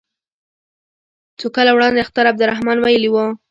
څو کاله وړاندې اختر عبدالرحمن ویلي وو.